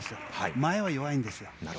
前は弱いんですよ。